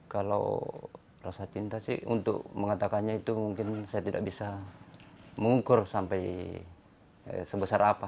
kalau rasa cinta sih untuk mengatakannya itu mungkin saya tidak bisa mengukur sampai sebesar apa